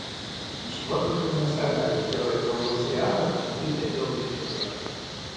И чего только не настрадались герои этого мультсериала за четыре долгих сезона!